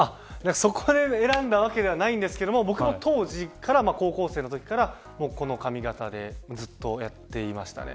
そこで選んだわけではないんですけれども僕も当時から高校生のときからこの髪形でずっとやっていましたね。